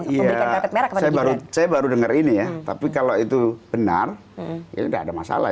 iya saya baru dengar ini ya tapi kalau itu benar ya tidak ada masalah